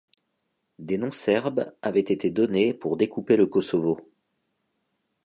Des noms serbes avaient été donnés pour découper le Kosovo.